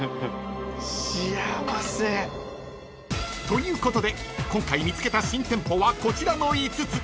［ということで今回見つけた新店舗はこちらの５つ］